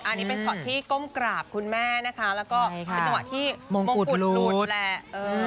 อันนี้เป็นช็อตที่ก้มกราบคุณแม่นะคะแล้วก็เป็นจังหวะที่มงกุฎหลุดแหละ